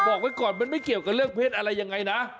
บอกไว้ก่อนมันไม่เกี่ยวกับเรื่องเพศอะไรยังไงนะ